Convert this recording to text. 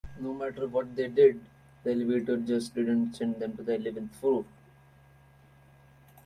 No matter what they did, the elevator just didn't send them to the eleventh floor.